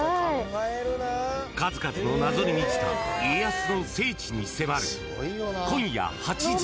数々の謎に満ちた家康の聖地に迫る。